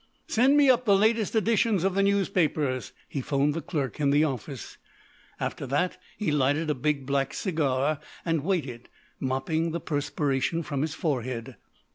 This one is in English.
"Send me up the latest editions of the newspapers," he 'phoned the clerk in the office. After that he lighted a big, black cigar and waited, mopping the perspiration from his forehead.